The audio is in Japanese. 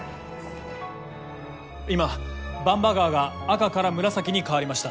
今番場川が赤から紫に変わりました。